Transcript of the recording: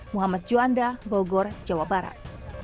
muhammad juanda bogor jawa barat